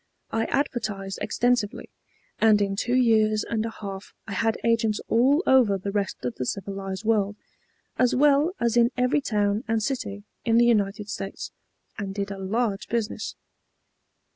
I advertised extensively, and in two years and a half I had agents all over the rest of the civilized world, as well as in every town and city in the United States, and did a large business.